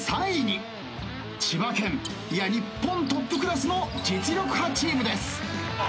千葉県いや日本トップクラスの実力派チームです。